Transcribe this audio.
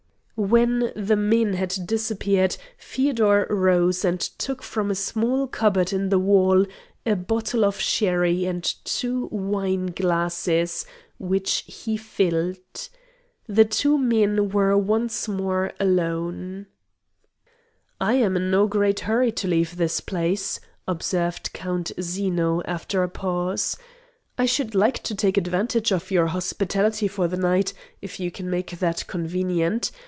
When the men had disappeared Feodor rose and took from a small cupboard in the wall a bottle of sherry and two wine glasses, which he filled. The two men were once more alone. "I am in no great hurry to leave this place," observed Count Zeno, after a pause. "I should like to take advantage of your hospitality for the night, if you can make that convenient.